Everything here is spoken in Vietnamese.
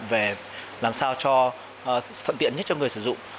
về làm sao cho thuận tiện nhất cho người sử dụng